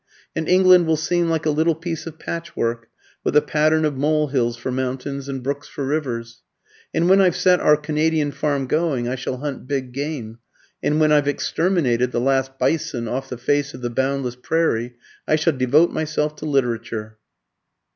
And England will seem like a little piece of patchwork, with a pattern of mole hills for mountains, and brooks for rivers. And when I've set our Canadian farm going, I shall hunt big game. And when I've exterminated the last bison off the face of the boundless prairie, I shall devote myself to literature."